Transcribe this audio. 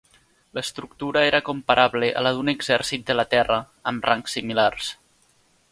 L'estructura era comparable a la d'un exèrcit de la Terra, amb rangs similars.